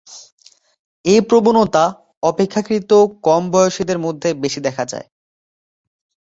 এ প্রবণতা অপেক্ষাকৃত কম বয়সীদের মধ্যে বেশি দেখা যায়।